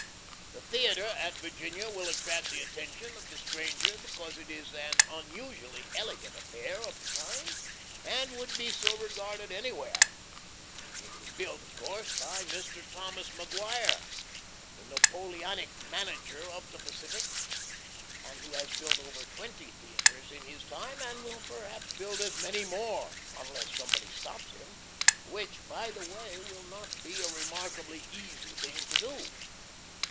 The theatre at Virginia will attract the attention of the stranger, because it is an unusually elegant affair of the kind, and would be so regarded anywhere. It was built, of course, by Mr. Thomas Maguire, the Napoleonic manager of the Pacific, and who has built over twenty theatres in his time and will perhaps build as many more, unless somebody stops him which, by the way, will not be a remarkably easy thing to do.